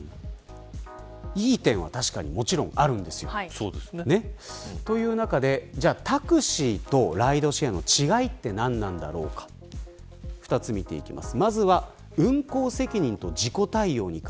いい点は確かに、もちろんあるんですよ。という中でタクシーとライドシェアの違いってなんなんだろうか２つ見ていきます。